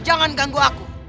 jangan ganggu aku